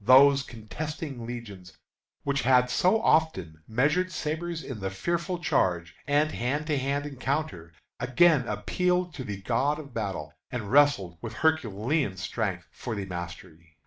Those contesting legions, which had so often measured sabres in the fearful charge, and hand to hand encounter, again appealed to the God of battle, and wrested with Herculean strength for the mastery.